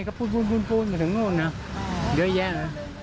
ก็ปู๊ดมาถึงโน้นเยอะแยะ